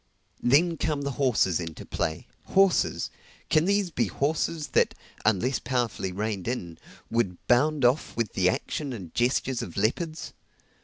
Then come the horses into play, horses! can these be horses that (unless powerfully reined in) would bound off with the action and gestures of leopards?